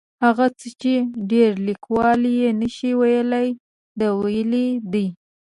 هغه څه چې ډېر لیکوال یې نشي ویلی ده ویلي دي.